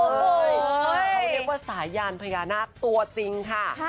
เขาเรียกว่าสายยานพญานาคตัวจริงค่ะ